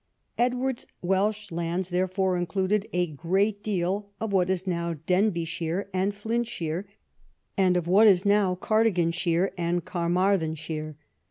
Edward's Welsh lands therefore included a great deal of what is now Denbighshire and Flintshire, and of what is now Cardiganshire and Carmarthenshire.